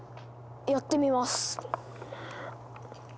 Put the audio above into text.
やってみます。